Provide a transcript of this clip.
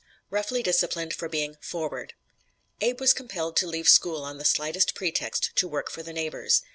ROUGHLY DISCIPLINED FOR BEING "FORWARD" Abe was compelled to leave school on the slightest pretext to work for the neighbors.